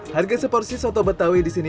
harga seporsi soto betawi disini